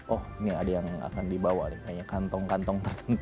oh ini ada yang akan dibawa nih kayaknya kantong kantong tertentu